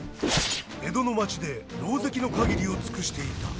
江戸の街でろうぜきの限りを尽くしていた。